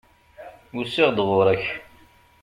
Usiɣ-d ɣur-k.